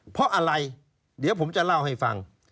เพราะอะไรเดี๋ยวผมจะเล่าให้ฟัง